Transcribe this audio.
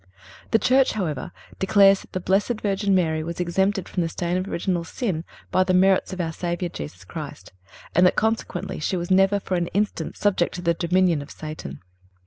The Church, however, declares that the Blessed Virgin Mary was exempted from the stain of original sin by the merits of our Savior Jesus Christ; and that, consequently, she was never for an instant subject to the dominion of Satan.